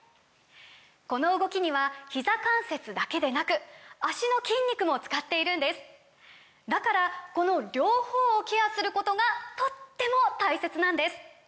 この動きにはひざ関節だけでなく脚の筋肉も使っているんですだからこの両方をケアすることがとっても大切なんです！